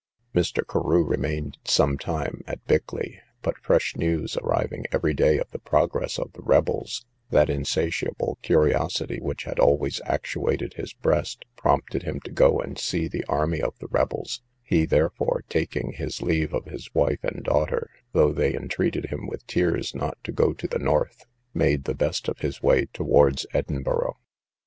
Mr. Carew remained some time at Bickley, but fresh news arriving every day of the progress of the rebels, that insatiable curiosity which had always actuated his breast, prompted him to go and see the army of the rebels: he therefore, taking his leave of his wife and daughter, though they entreated him with tears not to go to the North, made the best of his way towards Edinburgh.